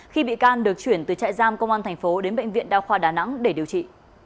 khi bị can được chuyển từ trại giam công an tp đến bệnh viện đao khoa đà nẵng để điều trị